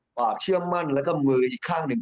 ความเชื่อมั่นแล้วก็มืออีกข้างหนึ่ง